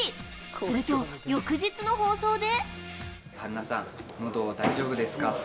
すると翌日の放送で。